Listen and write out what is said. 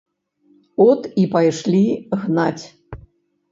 От і пайшлі гнаць.